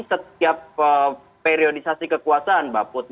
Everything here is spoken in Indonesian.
setiap periodisasi kekuasaan mbak putri